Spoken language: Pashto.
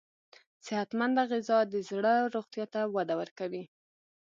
صحتمند غذا د زړه روغتیا ته وده ورکوي.